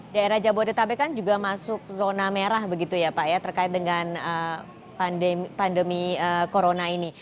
daerah jabodetabek kan juga masuk zona merah begitu ya pak ya terkait dengan pandemi corona ini